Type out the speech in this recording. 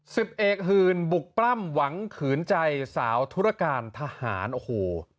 สิบเอกหื่นบุกปล้ำหวังขืนใจสาวธุรการทหารโอ้โห